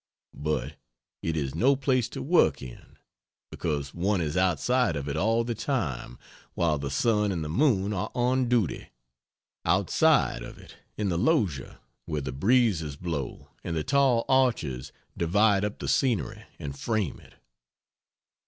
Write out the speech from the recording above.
But it is no place to work in, because one is outside of it all the time, while the sun and the moon are on duty. Outside of it in the loggia, where the breezes blow and the tall arches divide up the scenery and frame it.